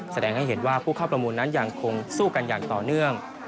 แสดงให้เห็นว่าผู้เข้าประมูลนั้นยังคงสู้กันอย่างต่อเนื่อง